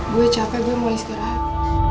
gue capek gue mau istirahat